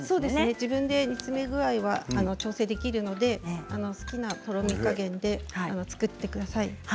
自分で調整できるので好きなとろみ加減で作ってください。